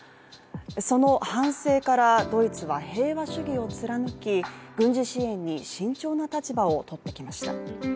その反省からドイツは、平和主義を貫き軍事支援に慎重な立場を取ってきました。